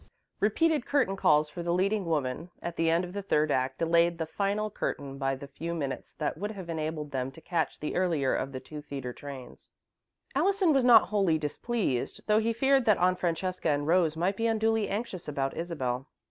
Repeated curtain calls for the leading woman, at the end of the third act, delayed the final curtain by the few minutes that would have enabled them to catch the earlier of the two theatre trains. Allison was not wholly displeased, though he feared that Aunt Francesca and Rose might be unduly anxious about Isabel.